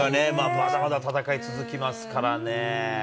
まだまだ戦い続きますからね。